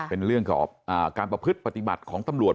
เป็นเรื่องกับการประพฤติปฏิบัติของตำรวจ